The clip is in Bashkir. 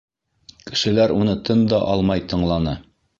Кешеләр уны тын да алмай тыңланы.